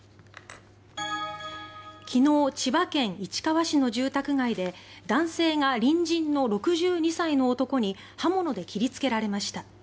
昨日、千葉県市川市の住宅街で男性が隣人の６２歳の男に刃物で切りつけられました。